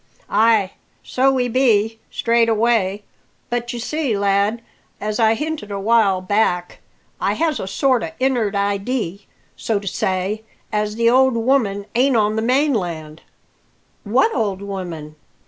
"Ay, so we be, straight away. But, y'see, lad, as I hinted a while back, I has a sort o' innard idee, so to say, as the old woman ain't on the mainland." "What old woman?"